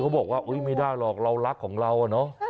บอกว่าไม่ได้หรอกเรารักของเราอะเนาะ